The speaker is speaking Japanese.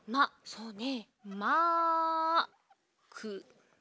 そうね。